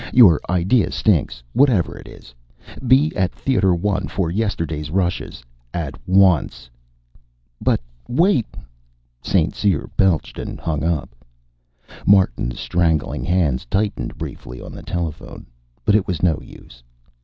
"Your idea stinks. Whatever it is. Be at Theater One for yesterday's rushes! At once!" "But wait " St. Cyr belched and hung up. Martin's strangling hands tightened briefly on the telephone. But it was no use.